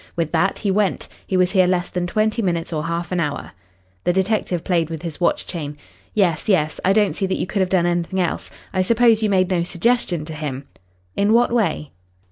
With that he went. He was here less than twenty minutes or half an hour." The detective played with his watch chain. "Yes, yes. I don't see that you could have done anything else. I suppose you made no suggestion to him?" "In what way?"